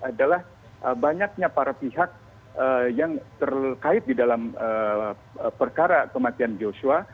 adalah banyaknya para pihak yang terkait di dalam perkara kematian joshua